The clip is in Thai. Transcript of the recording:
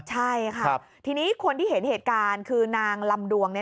ใช่ค่ะทีนี้คนที่เห็นเหตุการณ์คือนางลำดวง